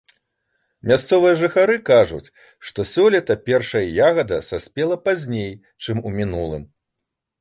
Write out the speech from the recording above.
Мясцовыя жыхары кажуць, што сёлета першая ягада саспела пазней, чым у мінулым.